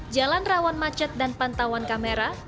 jalan rawan macet dan pantauan kamera